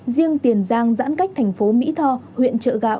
riêng tiền giang giãn cách thành phố mỹ tho huyện trợ gạo